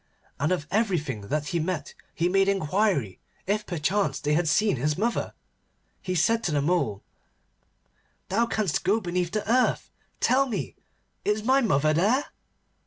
And of everything that he met he made inquiry if perchance they had seen his mother. He said to the Mole, 'Thou canst go beneath the earth. Tell me, is my mother there?